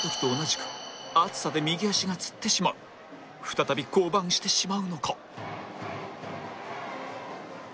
再び降板してしまうのか？